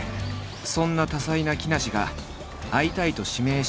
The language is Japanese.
そんな多才な木梨が会いたいと指名したのが。